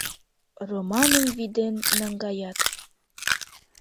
Романым вӱден наҥгаят.